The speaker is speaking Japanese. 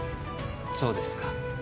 そうですか。